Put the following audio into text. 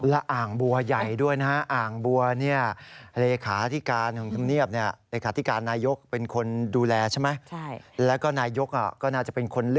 แล้วอ่างบัวใหญ่ด้วยนะฮะ